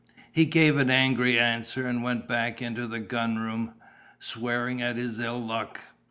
He gave an angry answer, and went back into the gun room, swearing at his ill luck.